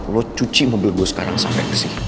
lo cuci mobil gue sekarang sampai bersih